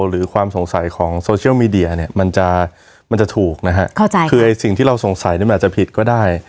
หรือความสงสัยของโซเชียลมีเดียมันจะถูกคือสิ่งที่เราสงสัยมันอาจจะผิดก็ได้